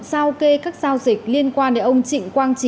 sao kê các giao dịch liên quan đến ông trịnh quang trí